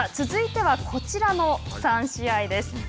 続いてはこちらの３試合です。